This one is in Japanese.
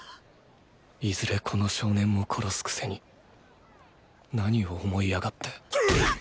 いずれこの少年も殺すくせに何を思い上がってトゥイ！